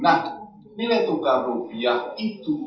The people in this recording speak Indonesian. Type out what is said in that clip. nah nilai tukar rupiah itu